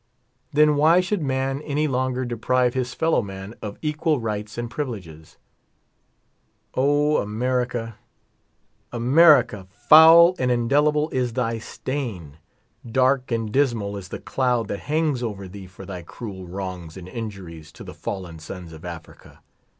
Then why should man any i<!)iiger deprive his fellow man of equal rights and privileges ? O, America, America, foul and indelible is thy stain ! Dark and di>s mal is the cloud that hangs over thee for thy cruel wrongs and injuries to the fallen sons of Africa.